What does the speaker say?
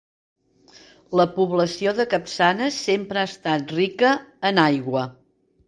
La població de Capçanes sempre ha estat rica en aigua.